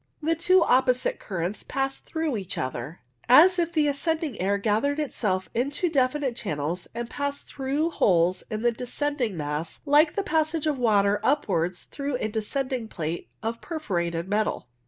The two opposite currents pass through each other, as if the ascending air gathered itself into definite channels, and passed through holes in the descend ing mass like the passage of water upwards through a descending plate of perforated metal.